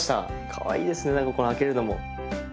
かわいいですね何かこの開けるのも。